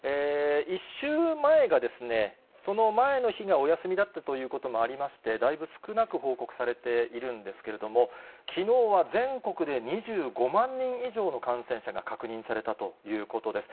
１週前が、その前の日がお休みだったということもありまして、だいぶ少なく報告されているんですけれども、きのうは全国で２５万人以上の感染者が確認されたということです。